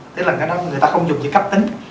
tức là người ta không dùng cái cấp tính